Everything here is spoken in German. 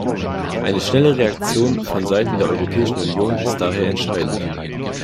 Eine schnelle Reaktion von Seiten der Europäischen Union ist daher entscheidend.